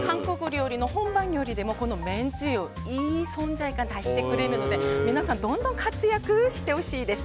本場の韓国料理でもこのめんつゆがいい存在感を出してくれるので皆さんどんどん活躍してほしいです。